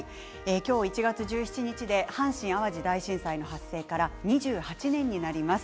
今日１月１７日で阪神・淡路大震災の発生から２８年になります。